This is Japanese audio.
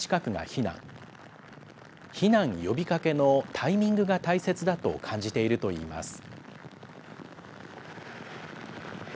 避難呼びかけのタイミングが大切だと感じているといいます。